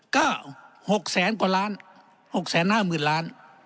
ก็๖๐๐๐๐๐กว่าล้าน๖๕๐๐๐๐ล้าน